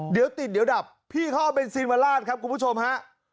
เดี๋ยวติดเดี๋ยวดับพี่เขาเอาเป็นซีนวราชครับคุณผู้ชมฮะ